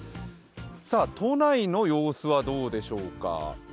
都内の様子はどうでしょうか。